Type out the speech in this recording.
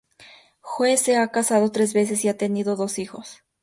Joe se ha casado tres veces y ha tenido dos hijos.